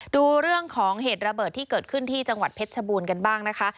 ดูเรื่องของเหตุระเบิดที่เกิดขึ้นที่จังหวัดเพชรชบูรณ์กันบ้างนะคะ